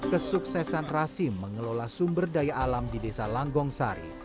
kesuksesan rasim mengelola sumber daya alam di desa langgong sari